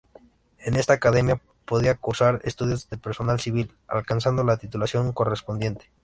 En esta academia podía cursar estudios el personal civil, alcanzando la titulación correspondiente.